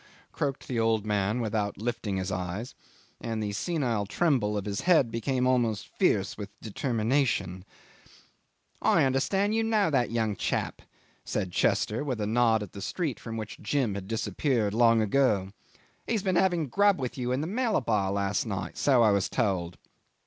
croaked the old man without lifting his eyes, and the senile tremble of his head became almost fierce with determination. "I understand you know that young chap," said Chester, with a nod at the street from which Jim had disappeared long ago. "He's been having grub with you in the Malabar last night so I was told."